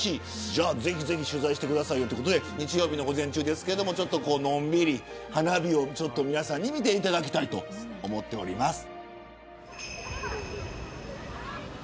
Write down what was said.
じゃあ、ぜひぜひ取材してくださいよということで日曜日の午前中ですけどのんびり、花火を皆さんに見ていただきたいと思っております。